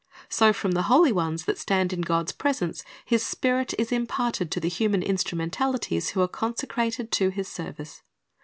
So from the holy ones that stand in God's presence His Spirit is imparted to the human instrumen talities who are consecrated to His service.